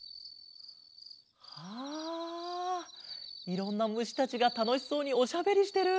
あいろんなむしたちがたのしそうにおしゃべりしてる！